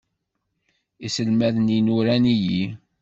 Iselmaden-inu ran-iyi.